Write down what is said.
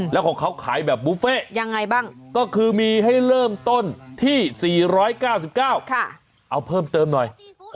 แล้วของเขาขายแบบบุฟเฟ่ยังไงบ้างก็คือมีให้เริ่มต้นที่๔๙๙เอาเพิ่มเติมหน่อย